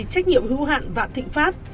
trách nhiệm hưu hạn vạn thịnh pháp